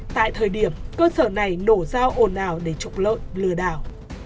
tại thời điểm cơ sở này nổ rao ồn ào để chụp lợi lừa đảo